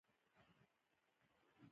د سیکهانو مشران بې اتفاقه وه.